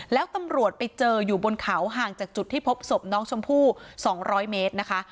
แล้วตำรวจไปเจออยู่บนเขาห่างจากจุดที่พบศพน้องชมพู่๒๐๐เมตรนะคะ